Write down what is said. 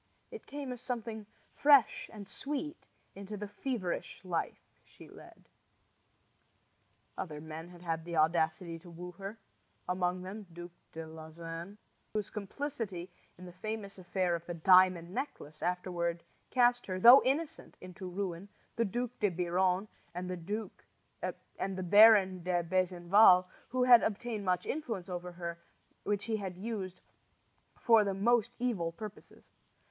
It came as something fresh and sweet into the feverish life she led. Other men had had the audacity to woo her among them Duc de Lauzun, whose complicity in the famous affair of the diamond necklace afterward cast her, though innocent, into ruin; the Duc de Biron; and the Baron de Besenval, who had obtained much influence over her, which he used for the most evil purposes.